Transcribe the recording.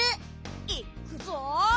いっくぞ！